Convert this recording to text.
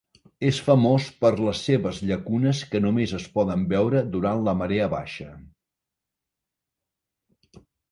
És famós per les seves llacunes que només es poden veure durant la marea baixa.